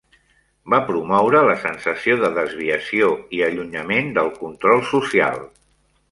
Va promoure la sensació de desviació i allunyament del control social.